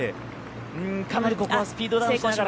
かなりここはスピードダウンしながら。